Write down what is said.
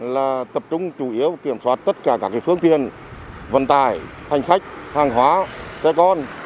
là tập trung chủ yếu kiểm soát tất cả các phương tiện vận tải hành khách hàng hóa xe con